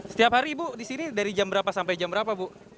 setiap hari ibu di sini dari jam berapa sampai jam berapa bu